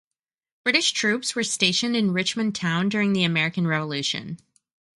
British troops were stationed in Richmond Town during the American Revolution.